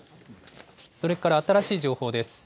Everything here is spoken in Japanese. それから新しい情報です。